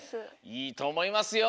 いいとおもいますよ。